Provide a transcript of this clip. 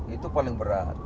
itu paling berat